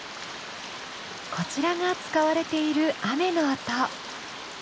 こちらが使われている雨の音。